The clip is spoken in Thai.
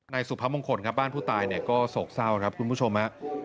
สุพมงคลครับบ้านผู้ตายเนี่ยก็โศกเศร้าครับคุณผู้ชมฮะ